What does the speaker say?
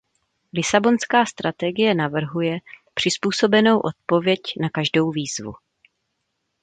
Lisabonská strategie navrhuje přizpůsobenou odpověď na každou výzvu.